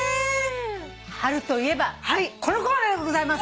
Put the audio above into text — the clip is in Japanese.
春といえばこのコーナーでございます。